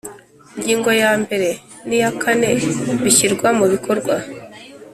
ngingo ya mbere n iya kane bishyirwa mubikorwa